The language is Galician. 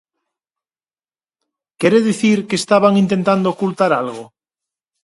¿Quere dicir que estaban intentando ocultar algo?